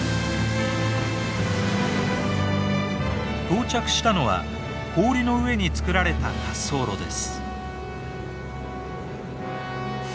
到着したのは氷の上に作られた滑走路です。